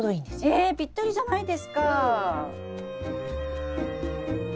えぴったりじゃないですか！